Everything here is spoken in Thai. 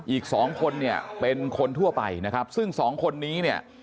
อีกสองคนเนี่ยเป็นคนทั่วไปนะครับซึ่งสองคนนี้เนี่ย